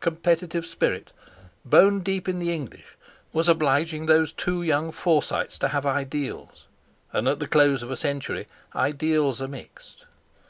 Competitive spirit, bone deep in the English, was obliging those two young Forsytes to have ideals; and at the close of a century ideals are mixed.